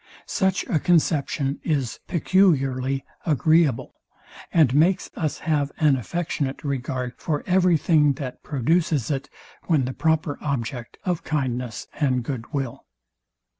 Such a conception is peculiarly agreeable, and makes us have an affectionate regard for every thing, that produces it, when the proper object of kindness and goodwill.